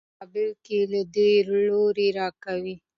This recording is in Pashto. يا به يې په مقابل کې دې لور را کوې.